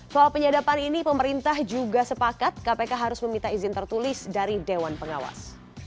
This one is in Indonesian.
soal penyadapan ini pemerintah juga sepakat kpk harus meminta izin tertulis dari dewan pengawas